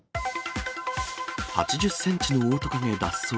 ８０センチのオオトカゲ脱走。